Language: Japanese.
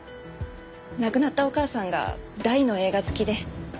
亡くなったお母さんが大の映画好きで。